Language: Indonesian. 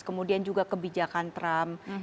kemudian juga kebijakan trump